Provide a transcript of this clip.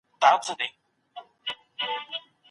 که څوک مجبور سي، ايا عقيده ټينګېږي؟